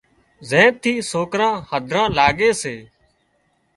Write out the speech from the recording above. زين ٿي سوڪران هڌران لاڳي سي